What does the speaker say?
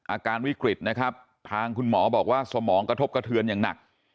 อาการวิกฤตนะครับทางคุณหมอบอกว่าสมองกระทบกระเทือนอย่างหนัก